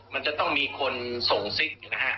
มันจะต้องมีคนส่งซิกนะฮะ